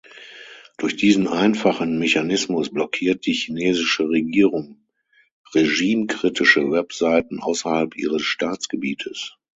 Durch diesen einfachen Mechanismus blockiert die chinesische Regierung regimekritische Webseiten außerhalb ihres Staatsgebietes.